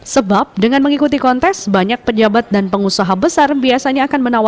sebab dengan mengikuti kontes banyak pejabat dan pengusaha besar biasanya akan menanggung